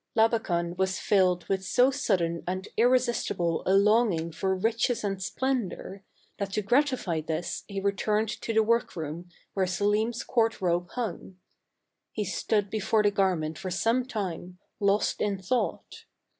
Labakan was filled with THE CARAVAN. 193 so sudden and irresistible a longing for riches and splendor, that to gratify this he returned to the workroom where Selim's court robe hung. He stood before the garment for some time, lost in thought.